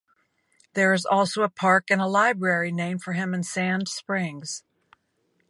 There is also a park and a library named for him in Sand Springs.